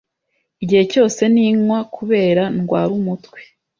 Igihe cyose ninywa kubera, ndwara umutwe.